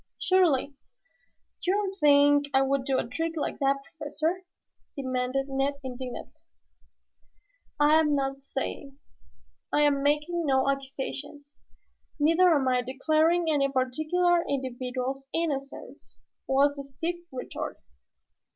"Surely, you don't think I would do a trick like that, Professor?" demanded Ned indignantly. "I am not saying. I am making no accusations, neither am I declaring any particular individual's innocence," was the stiff retort.